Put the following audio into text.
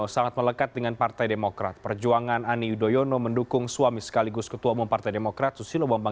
waktu kita berkat tangan kita bisa berhubungan